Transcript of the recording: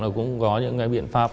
nó cũng có những cái biện pháp